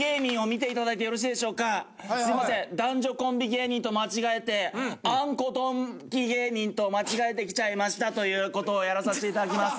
男女コンビ芸人と間違えて。と間違えてきちゃいましたということをやらさせて頂きます。